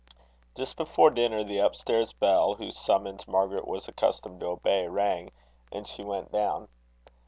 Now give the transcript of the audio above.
Just before dinner, the upstairs bell, whose summons Margaret was accustomed to obey, rang, and she went down.